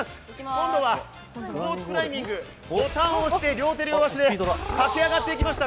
今度はスポーツクライミング、ボタンを押して両手で駆け上がっていきました。